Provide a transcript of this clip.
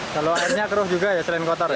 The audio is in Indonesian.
kalau airnya keruh juga ya selain kotor ya